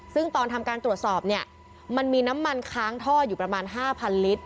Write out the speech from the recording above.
ซึ่งตอนทำการตรวจสอบเนี่ยมันมีน้ำมันค้างท่ออยู่ประมาณ๕๐๐ลิตร